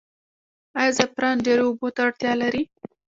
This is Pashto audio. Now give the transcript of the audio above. آیا زعفران ډیرې اوبو ته اړتیا لري؟